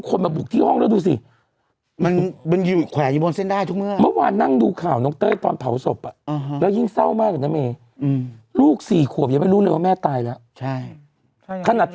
คนมันบุกที่ห้องได้ดูสิมันไม่อยู่แขวจะบนเส้นได้ทุกเมื่อก